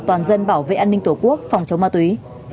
toàn dân bảo vệ an ninh tổ quốc phòng chống ma túy